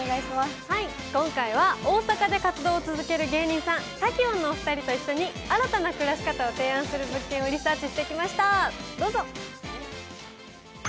今回は大阪で活動を続ける芸人さん、滝音のお二人と一緒に新たな暮らし方を提案する物件をリサーチしてきました、どうぞ。